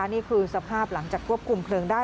นี่คือสภาพหลังจากควบคุมเพลิงได้